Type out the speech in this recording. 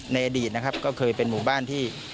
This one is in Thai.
ในอดีตนะครับก็เคยเป็นหมู่บ้านที่